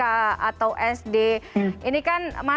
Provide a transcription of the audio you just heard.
atau sd ini kan